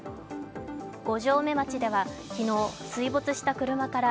五城目町では昨日、水没した車から